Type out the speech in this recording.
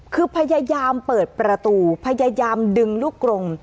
คือพยายามเปิดประตูพยายามดึงลูกกรง